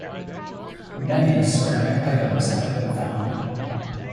Many ceramic items have been found.